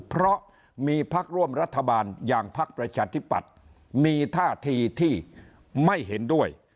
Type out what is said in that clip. เพราะมีพักร่วมรัฐบาลอย่างพักประชาธิปัตย์มีท่าทีที่ไม่เห็นด้วย